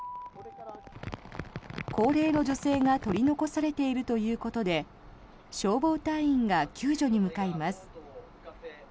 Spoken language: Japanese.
高齢の女性が取り残されているということで消防隊員が救助に向かいます。